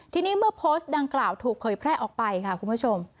ทีนี้เมื่อโพสต์ดังกล่าวถูกเผยแพร่ออกไปค่ะคุณผู้ชม